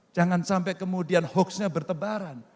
jangan sampai kemudian hoax nya bertebaran